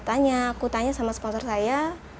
saya bertanya ke sponsor saya